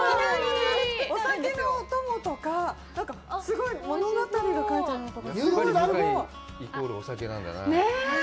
お酒のお供とかなんかすごい物語が書いてあるのとかやっぱり向井イコールお酒なんだなねえ